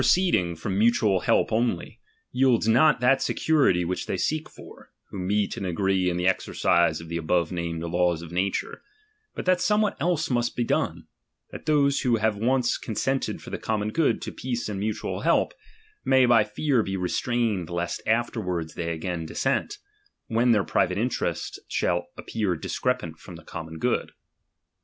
I the i 'J ceeding from mutual help only, yields not that security which they seek for, who meet and agree in the exercise of the above named laws of nature ; but that somewhat else must be done, that those who have once consented for the common good to peace and mutual help, may by fear be restrained lest afterwards they again dissent, when their private interest shall appear discrepant from the common good.